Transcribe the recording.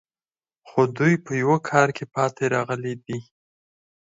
خو دوی په یوه کار کې پاتې راغلي دي